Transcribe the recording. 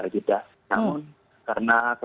jumlahnya sudah dikeluarkan